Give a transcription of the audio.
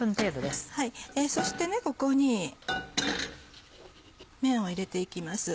そしてここに麺を入れて行きます。